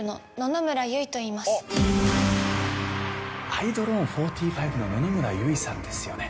アイドローン４５の野々村唯さんですよね